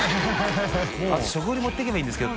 飯尾）食後に持っていけばいいんですけど。